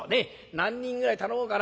何人ぐらい頼もうかな。